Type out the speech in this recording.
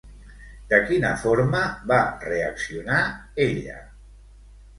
De quina forma va reaccionar ella?